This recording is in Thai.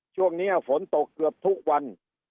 ช่วงนี้ฝนตกเกือบทุกวัน